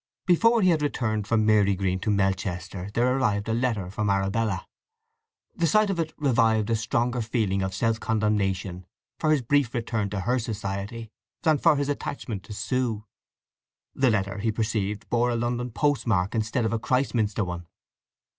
Before he had returned from Marygreen to Melchester there arrived a letter from Arabella. The sight of it revived a stronger feeling of self condemnation for his brief return to her society than for his attachment to Sue. The letter, he perceived, bore a London postmark instead of the Christminster one.